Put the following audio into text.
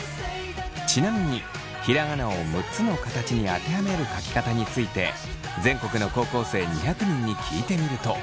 ちなみにひらがなを６つの形に当てはめる書き方について全国の高校生２００人に聞いてみると。